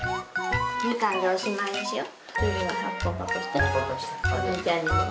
みかんでおしまいにしよう。